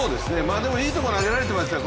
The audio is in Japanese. でもいいとこ投げられてましたよね。